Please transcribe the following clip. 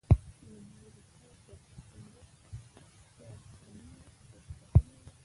لومړۍ ريښه پرتلیره ژبپوهنه وه